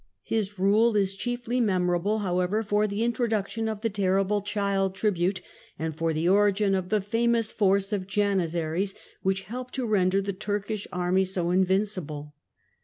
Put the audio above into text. His rule is chiefly memorable, however, for the The Janis introduction of the terrible " child tribute," and for the""™' origin of the famous force of Janissaries, which helped to render the Turkish army so invincible.